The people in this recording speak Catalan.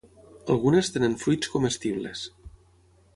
Algunes tenen fruits comestibles.